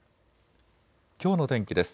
きょうの天気です。